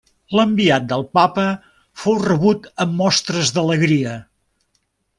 L'enviat del Papa fou rebut amb mostres d'alegria.